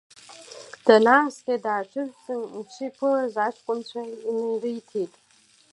Данааскьа дааҽыжәҵын, иҽы иԥылаз аҷкәынцәа инариҭеит…